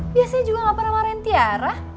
biasanya juga gak pernah marahin tiara